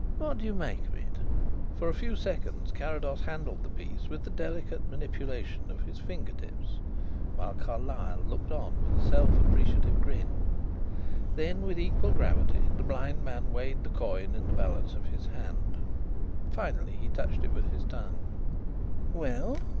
"What do you make of it?" For a few seconds Carrados handled the piece with the delicate manipulation of his finger tips while Carlyle looked on with a self appreciative grin. Then with equal gravity the blind man weighed the coin in the balance of his hand. Finally he touched it with his tongue. "Well?"